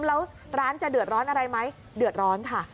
แล้วร้านจะเดือดร้อนอะไรไหมเดือดร้อนค่ะ